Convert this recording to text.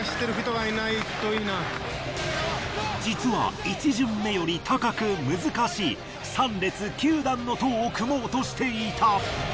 実は１巡目より高く難しい３列９段の塔を組もうとしていた。